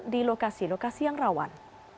di lokasi lokasi yang rawan